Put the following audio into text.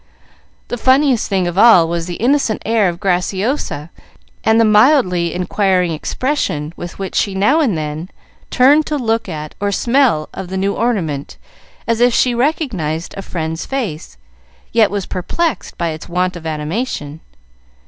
The funniest thing of all was the innocent air of Graciosa, and the mildly inquiring expression with which she now and then turned to look at or to smell of the new ornament as if she recognized a friend's face, yet was perplexed by its want of animation.